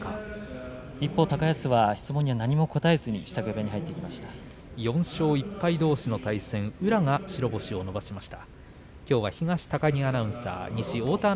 一方、高安、質問には何も答えずに４勝１敗どうしの対戦宇良が白星を伸ばしました。